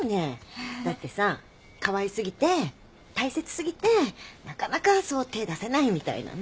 だってさかわい過ぎて大切過ぎてなかなかそう手出せないみたいなね。